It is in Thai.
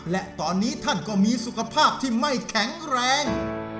และตอนนี้ท่านก็มีสุขภาพที่ไม่แข็งแรง